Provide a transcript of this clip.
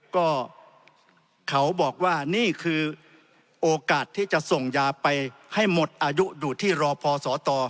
ก็เขาบอกว่านี่คือโอกาสที่จะส่งยาไปให้หมดอายุดูดที่รอพอสต